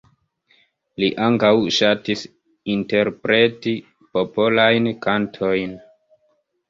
Li ankaŭ ŝatis interpreti popolajn kantojn.